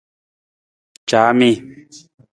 Caami.